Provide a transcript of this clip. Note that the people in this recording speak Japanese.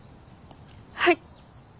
はい。